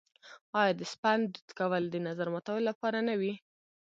آیا د سپند دود کول د نظر ماتولو لپاره نه وي؟